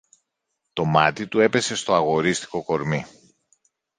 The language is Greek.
Το μάτι του έπεσε στο αγορίστικο κορμί